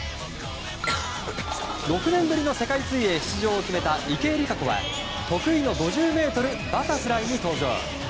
６年ぶりの世界水泳出場を決めた池江璃花子は得意の５０ｍバタフライに登場。